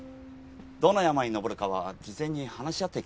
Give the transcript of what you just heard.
どの山に登るかは事前に話し合って決めます。